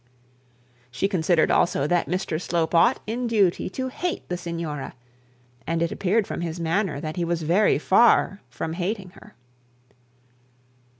She considered also that Mr Slope ought in duty to hate the signora; and it appeared from his manner that he was very far from hating her.